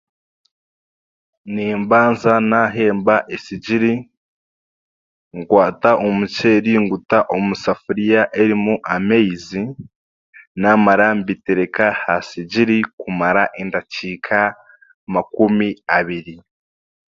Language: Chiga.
Nimbanza naahemba esigiri, nkwata omuceeri nguta omu safuriya erimu amaizi, namara mbiteereka aha sigiri kumara endakiika makumi abiiri.